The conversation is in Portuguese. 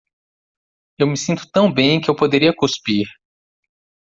Eu me sinto tão bem que eu poderia cuspir.